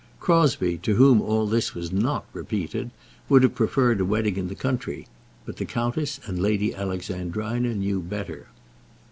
Crosbie, to whom all this was not repeated, would have preferred a wedding in the country. But the countess and Lady Alexandrina knew better.